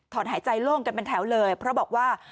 หายใจโล่งกันเป็นแถวเลยเพราะบอกว่า